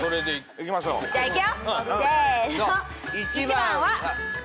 １番は。